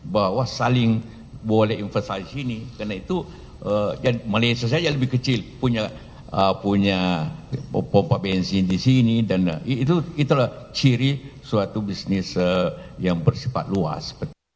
bahwa saling boleh investasi sini karena itu malaysia saja lebih kecil punya pompa bensin di sini dan itulah ciri suatu bisnis yang bersifat luas